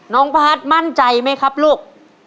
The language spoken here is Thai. น้องพาร์ทมั่นใจไหมครับลูก